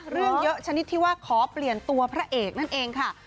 เรื่องเยอะชนิดที่ว่าขอเปลี่ยนตัวพระเอกนั่นเองค่ะ